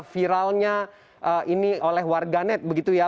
viralnya ini oleh warganet begitu ya